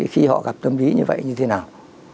khi họ gặp tâm lý như vậy như thế nào